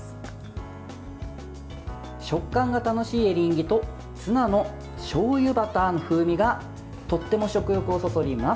食感が楽しいエリンギとツナのしょうゆバターの風味がとっても食欲をそそります。